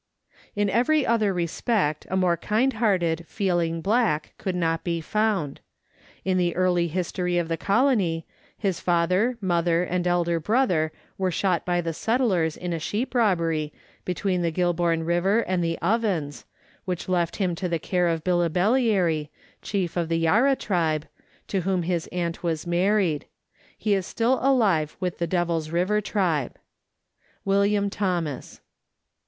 In every other respect a more kind hearted, feeling black could not be found. In the early history of the colony, his father, mother, and elder brother were shot by the settlers in a sheep robbery between the Goulburn River and the Ovens, which left him to the care of Billibellary, chief of the Yarra tribe, to whom his aunt was married ; he is still alive with the DeviPs River tribe. WM. THOMAS.